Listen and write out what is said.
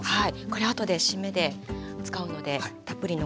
これあとで締めで使うのでたっぷり残しておきます。